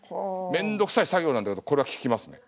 面倒くさい作業なんだけどこれは効きますね。